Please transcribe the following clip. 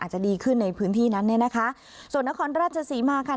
จะดีขึ้นในพื้นที่นั้นเนี่ยนะคะส่วนนครราชศรีมาค่ะ